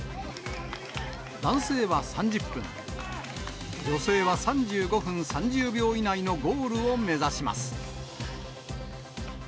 男性は３０分、女性は３５分３０秒以内のゴールを目指します。